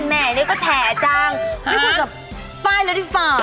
แม่นานี่ก็แถ่จังป้ายไม่คุยกับป้ายแล้วดิฟ่า